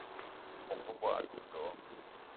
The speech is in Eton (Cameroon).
O bóng-be m'bogué a doula do?